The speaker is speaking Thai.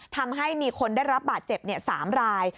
ทำให้มีคนได้รับบาดเจ็บ๓ราย